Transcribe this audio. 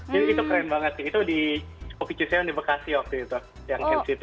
jadi itu keren banget sih itu di coffee cucion di bekasi waktu itu yang nct